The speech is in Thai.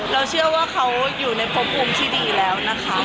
เราเชื่อว่าเขาอยู่ในพบภูมิที่ดีแล้วนะคะ